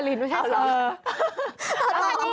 เสียงรสลินไม่ใช่สิ